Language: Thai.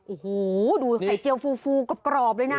โอ้โหดูไข่เจียวฟูกรอบเลยนะ